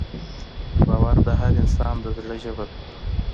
باور د هر انسان د زړه ژبه ده.